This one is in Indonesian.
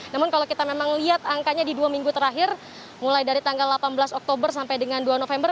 namun kalau kita memang lihat angkanya di dua minggu terakhir mulai dari tanggal delapan belas oktober sampai dengan dua november